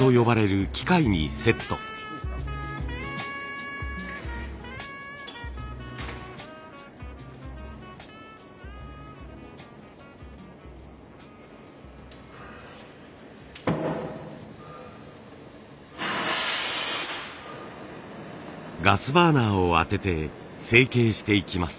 ガスバーナーを当てて成形していきます。